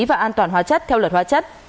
và an toàn hóa chất theo luật hóa chất